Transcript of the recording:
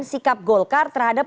sikap golkar terhadap